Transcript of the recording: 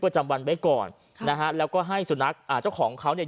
จำวันไว้ก่อนค่ะนะฮะแล้วก็ให้สุนัขอ่าเจ้าของเขาเนี่ย